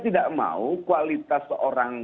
tidak mau kualitas seorang